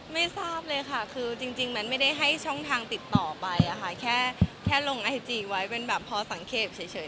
ไม่ทราบเลยค่ะคือจริงมันไม่ได้ให้ช่องทางติดต่อไปอะค่ะแค่ลงไอจีไว้เป็นแบบพอสังเกตเฉย